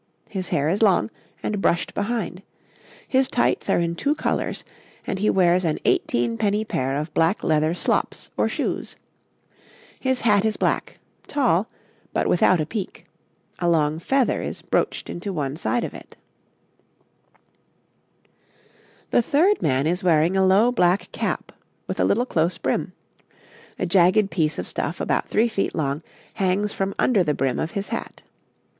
His hair is long, and bushed behind; his tights are in two colours, and he wears an eighteen penny pair of black leather slops or shoes. His hat is black, tall, but without a peak; a long feather is brooched into one side of it. [Illustration: {A man of the time of Edward IV.; three types of boot}] The third man is wearing a low black cap, with a little close brim; a jagged piece of stuff, about 3 feet long, hangs from under the brim of his hat.